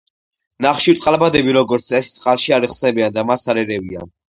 ნახშირწყალბადები, როგორც წესი წყალში არ იხსნებიან და მას არ ერევიან.